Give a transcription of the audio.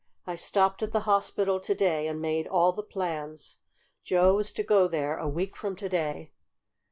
"I stopped at the hospital to day, and made all the plans. Joe is to go there a week from to day."